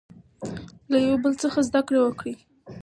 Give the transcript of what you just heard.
له یو بل څخه زده کړه وکړئ.